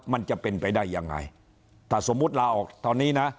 มันจะเป็นไปได้ยังไงถ้าสมมุติลาออกตอนนี้นะ